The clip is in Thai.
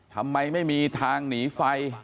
ทำไมไม่มีทางหนีไฟ